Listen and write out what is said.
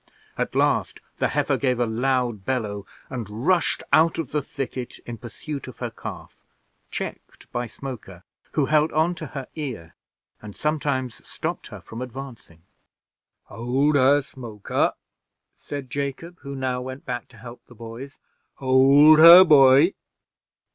At last the heifer gave a loud bellow, and rushed out of the thicket in pursuit of her calf, checked by Smoker, who held on to her ear, and sometimes stopped her from advancing. "Hold her, Smoker," said Jacob, who now went back to help the boys. "Hold her, boy.